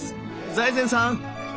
財前さん！